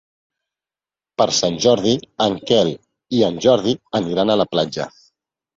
Per Sant Jordi en Quel i en Jordi aniran a la platja.